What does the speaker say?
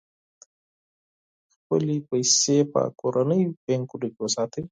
خپلې پيسې په کورنیو بانکونو کې وساتئ.